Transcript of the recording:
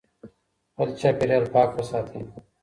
خپل چاپېريال پاک وساتئ.